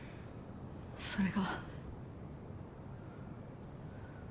それが。